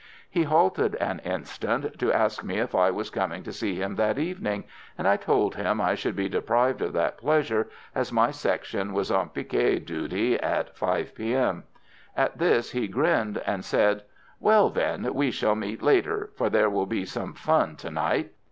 He halted an instant to ask me if I was coming to see him that evening, and I told him I should be deprived of that pleasure, as my section was on picquet duty at 5 P.M. At this he grinned, and said: "Well, then, we shall meet later, for there will be some fun to night."